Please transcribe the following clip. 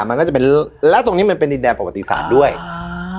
มันก็จะเป็นแล้วตรงนี้มันเป็นดินแดนประวัติศาสตร์ด้วยอ่า